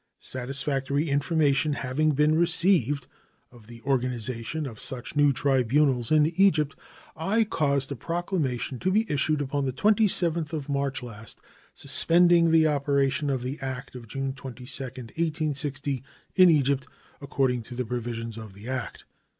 Satisfactory information having been received of the organization of such new tribunals in Egypt, I caused a proclamation to be issued upon the 27th of March last, suspending the operation of the act of June 22, 1860, in Egypt, according to the provisions of the act.